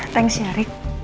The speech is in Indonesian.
thanks ya rick